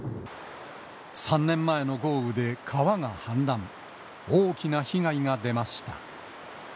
３年前の豪雨で川が氾濫、大きな被害が出ました。